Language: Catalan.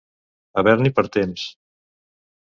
Haver-n'hi per temps.